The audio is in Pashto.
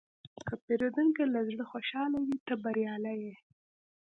که پیرودونکی له زړه خوشحاله وي، ته بریالی یې.